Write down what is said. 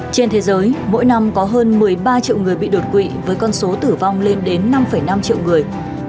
trên thế giới mỗi năm có hơn một mươi ba triệu người bị đột quỵ với con số tử vong lên đến năm năm triệu người